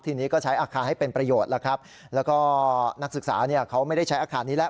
ทีนี้ก็ใช้อาคารให้เป็นประโยชน์แล้วครับแล้วก็นักศึกษาเนี่ยเขาไม่ได้ใช้อาคารนี้แล้ว